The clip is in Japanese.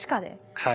はい。